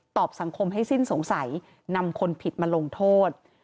สังคมให้สิ้นสงสัยนำคนผิดมาลงโทษ